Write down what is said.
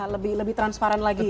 lebih transparan lagi ya